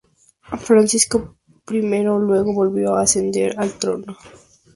Francisco I luego volvió a ascender al trono.